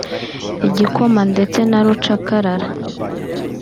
igikoma ndetse na rukacarara